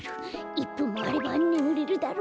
１ぷんもあればねむれるだろう。